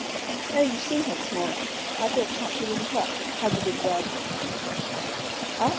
"Oh! You've seen her then this morning? I thought perhaps she wasn't up," hazarded Webb. "Up?